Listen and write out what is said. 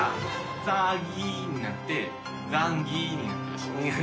ザーギーになってザンギになったらしいです。